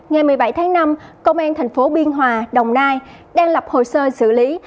ngày một mươi bảy tháng năm công an thành phố biên hòa đồng nai đang lập hồ sơ xử lý